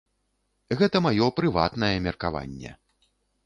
Гэта маё прыватнае меркаванне.